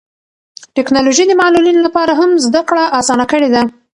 ټیکنالوژي د معلولینو لپاره هم زده کړه اسانه کړې ده.